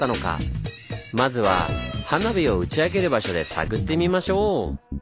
まずは花火を打ち上げる場所で探ってみましょう！